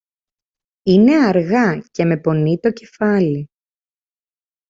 Είναι αργά και με πονεί το κεφάλι.